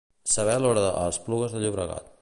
Saber l'hora a Esplugues de Llobregat.